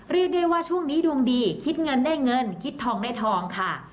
เรียกได้ว่าช่วงนี้ดวงดีคิดเงินได้เงินคิดทองได้ทองค่ะ